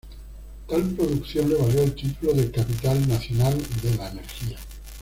Tal producción le valió el título de "Capital Nacional de la Energía".